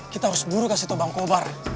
kita harus buru kasih tobang kobar